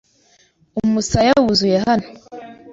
Umusaya wuzuye hano